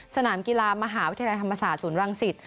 สนามกีฬามหาวิทยาลัยธรรมศาสตร์ศูนย์รังสิต